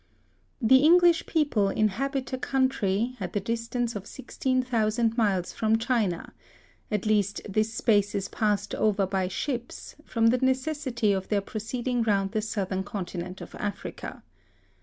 The English people inhabit a country, at the distance of 16,000 miles from China;—at least this space is passed over by ships, from the necessity of their proceeding round the southern continent of Africa.